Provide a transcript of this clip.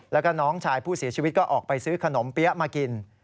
แล้วก็น้องชายผู้เสียชีวิตก็ออกไปซื้อขนมเปี๊ยะมากิน